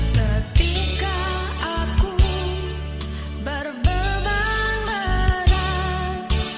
ketika aku berbeban berat